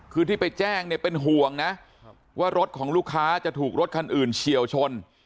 คือที่ไปแจ้งเนี่ยเป็นห่วงนะว่ารถของลูกค้าจะถูกรถคันอื่นเฉียวชน